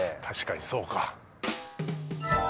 確かにそうか。